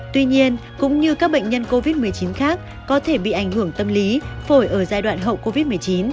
tuy nhiên cũng như các bệnh nhân covid một mươi chín khác có thể bị ảnh hưởng tâm lý phổi ở giai đoạn hậu covid một mươi chín